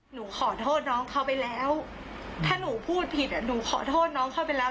หนูขอโทษน้องเขาไปแล้วถ้าหนูพูดผิดหนูขอโทษน้องเข้าไปแล้ว